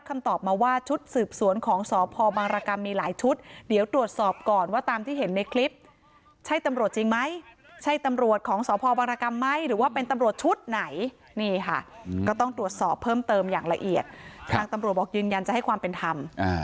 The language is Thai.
ของสพบางรกรรมไหมหรือว่าเป็นตำรวจชุดไหนนี่ค่ะก็ต้องตรวจสอบเพิ่มเติมอย่างละเอียดทางตำรวจบอกยืนยันจะให้ความเป็นธรรม